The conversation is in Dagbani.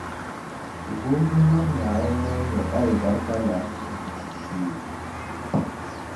vu m-miri Naawuni ŋun nyɛ alibarikalana ŋɔ nam ʒiishee.